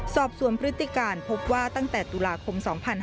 สอบสวนพฤติการพบว่าตั้งแต่ตุลาคม๒๕๕๙